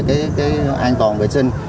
cái an toàn vệ sinh